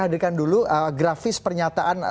hadirkan dulu grafis pernyataan